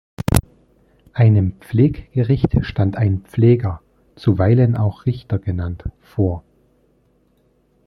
Einem Pfleggericht stand ein Pfleger, zuweilen auch Richter genannt, vor.